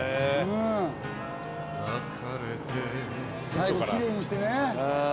最後きれいにしてね。